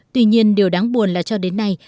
tuy nhiên điều đáng buồn là cho đến nay